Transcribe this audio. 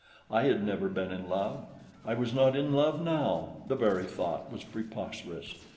I had never been in love. I was not in love now the very thought was preposterous.